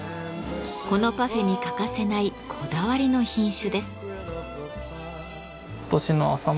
このパフェに欠かせないこだわりの品種です。